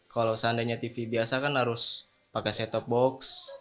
kalau seandainya tv biasa kan harus pakai set top box